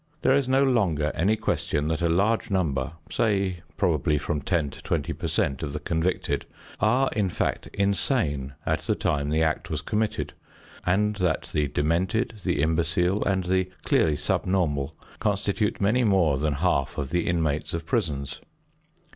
There is no longer any question that a large number, say probably from ten to twenty per cent of the convicted are, in fact, insane at the time the act was committed, and that the demented, the imbecile, and the clearly subnormal constitute many more than half of the inmates of prisons.